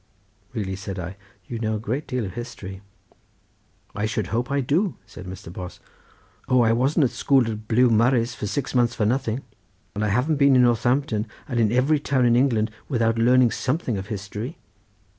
"Really," said I, "you know a great deal of history." "I should hope I do," said Mr. Bos. "O, I wasn't at school at Blewmaris for six months for nothing; and I haven't been in Northampton, and in every town in England without learning something of history.